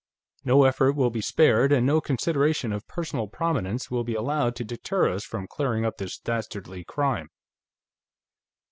No effort will be spared, and no consideration of personal prominence will be allowed to deter us from clearing up this dastardly crime....'"